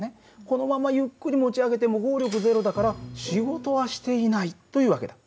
このままゆっくり持ち上げても合力０だから仕事はしていないという訳だ。